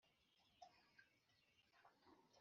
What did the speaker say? nkomati ya rwimiheto,